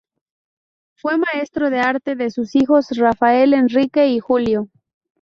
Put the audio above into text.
Fue maestro de arte de sus hijos Rafael, Enrique y Julio.